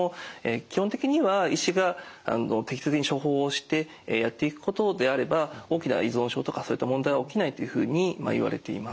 基本的には医師が適切に処方してやっていくことであれば大きな依存症とかそういった問題は起きないというふうにいわれています。